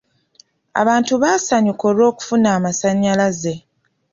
Abantu baasanyuka olw'okufuna amasanyalaze.